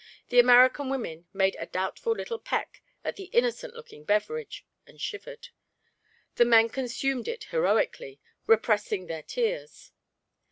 The American women made a doubtful little peck at the innocent looking beverage, and shivered. The men consumed it heroically, repressing their tears.